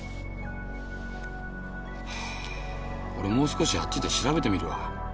俺もう少しあっちで調べてみるわ。